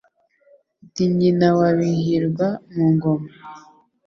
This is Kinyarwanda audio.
Ndi nyina wa Bizihirwa-mu-ngoma